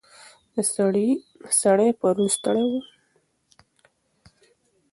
سړی پرون ستړی و.